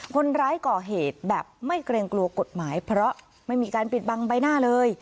คนร้ายก่อเหตุแบบไม่เกรงกลัวกฎหมายเพราะไม่มีการปิดบังใบหน้าเลย